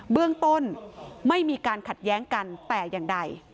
เบื้องต้นไม่มีการขัดแย้งกันแต่อย่างใด